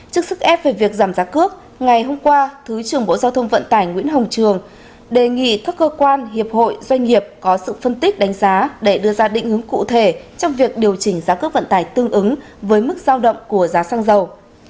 trước sức ép về việc giảm giá cước ngày hôm qua thứ trưởng bộ giao thông vận tải nguyễn hồng trường đề nghị các cơ quan hiệp hội doanh nghiệp có sự phân tích đánh giá để đưa ra định hướng cụ thể trong việc điều chỉnh giá cước vận tải tương ứng với mức giao động của giá xăng dầu